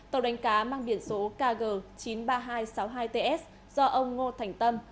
tàu đánh cá mang biển số kg chín trăm ba mươi hai sáu mươi hai ts do ông ngô thành tâm